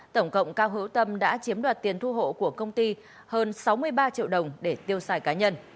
tổng cộng cao hữu tâm đã chiếm đoạt tiền thu hộ của công ty hơn sáu mươi ba triệu đồng để tiêu xài cá nhân